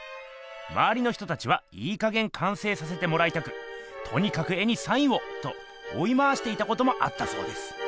まわりの人たちはいいかげん完成させてもらいたく「とにかく絵にサインを！」とおい回していたこともあったそうです。